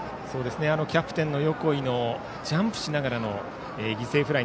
キャプテンの横井のジャンプしながらのアウト。